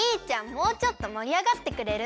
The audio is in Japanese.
もうちょっともりあがってくれる？